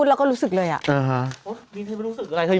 กลับมาคือเป็นกลับนี้